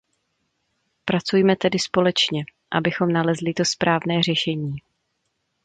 Pracujme tedy společně, abychom nalezli to správné řešení.